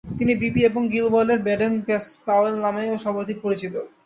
তিনি বি.পি. এবং গিলওয়েলের ব্যাডেন পাওয়েল নামেও সমাধিক পরিচিত।